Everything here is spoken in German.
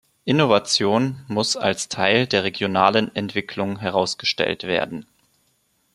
Innovation muss als Teil der regionalen Entwicklung herausgestellt werden.